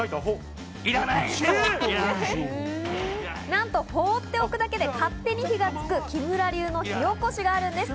なんと、ほうっておくだけで勝手に火がつく、木村流の火おこしがあるんです。